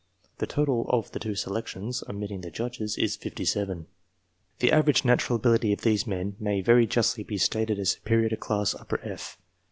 The total of the two selections, omitting the judges, is 57. The average natural ability of these men may very justly be stated as superior to class F.